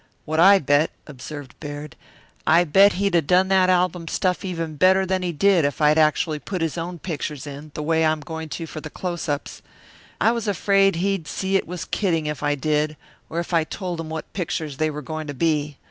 "What I bet," observed Baird, "I bet he'd 'a' done that album stuff even better than he did if I'd actually put his own pictures in, the way I'm going to for the close ups. I was afraid he'd see it was kidding if I did, or if I told him what pictures they were going to be.